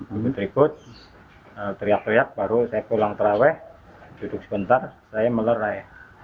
berikut teriak teriak baru saya pulang terawih duduk sebentar saya melerai